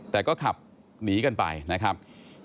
แต่ก็ขับหนีกันไปนะครับ